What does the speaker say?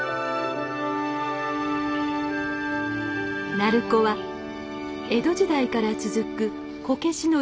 鳴子は江戸時代から続くこけしの一大産地。